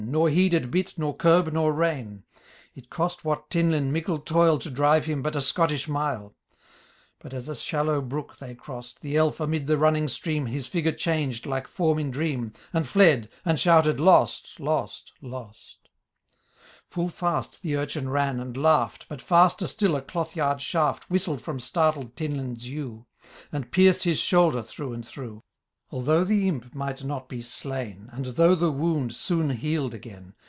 Nor heeded bit, nor curb, nor rein. It cost Watt Tinlinn mickle toil To drive, him but a Scottish mile ; But as a shallow biook they crossed. The elf, amid the miming stream. His figure changed, like form in dream, And fled, and shouted, " Lost ! lost ! lort V Full fast the urchin ran and laughed. But faster still a cloth yard shaft Whistled from startled Tinlinn's yew. And pierced his shoulder through and through. Although the imp might not be slain. And though the wound soon healed again.